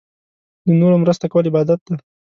د نورو مرسته کول عبادت دی.